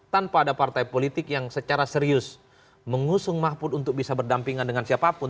tanpa ada partai politik yang secara serius mengusung mahfud untuk bisa berdampingan dengan siapapun